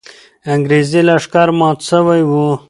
انګریزي لښکر مات سوی وو.